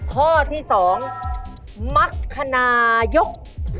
ข้อที่๒มรรคนายก